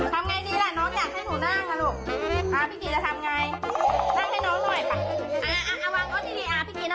พี่ปี๊ทำอย่างไรดีล่ะ